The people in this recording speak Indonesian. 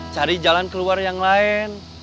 cari jalan keluar yang lain